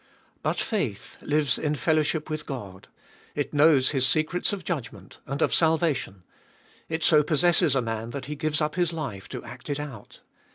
But faith lives in fellowship with God ; it knows His secrets of judgment and of salvation ; it so possesses a man that he gives up his life to act it out.